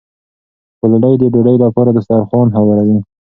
ګلالۍ د ډوډۍ لپاره دسترخوان هوار کړ.